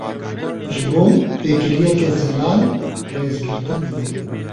Ji bo têkiliyeke zelal, rêzgirtin divê.